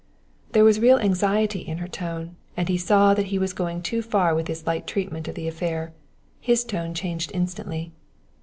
There was real anxiety in her tone, and he saw that he was going too far with his light treatment of the affair. His tone changed instantly.